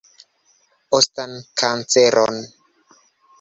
Ostan kanceron.